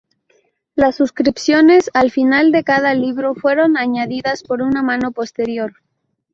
Las suscripciones al final de cada libro fueron añadidas por una mano posterior.